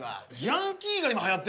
ヤンキーが今はやってんの？